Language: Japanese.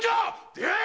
出会え！